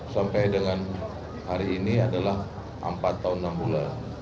sampai dengan hari ini adalah empat tahun enam bulan